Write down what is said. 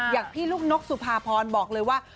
อย่างพี่ลูกนกสุภาพรบอกเลยว่า